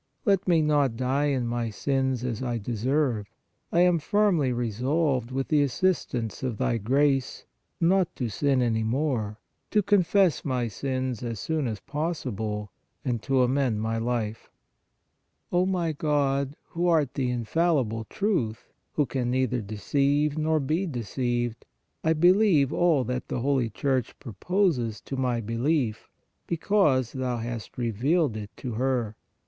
Let me not die in my sins as I deserve. I am firmly resolved, with the assistance of Thy grace, not to sin any more, to confess my sins as soon as possible and to amend my life. O my God, who art the infallible Truth, who can neither deceive nor be deceived, I believe all that the Holy Church proposes to my belief, be cause Thou hast revealed it to her.